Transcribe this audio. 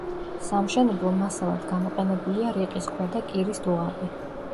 სამშენებლო მასალად გამოყენებულია რიყის ქვა და კირის დუღაბი.